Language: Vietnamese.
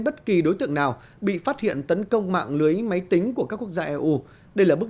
bất kỳ đối tượng nào bị phát hiện tấn công mạng lưới máy tính của các quốc gia eu đây là bước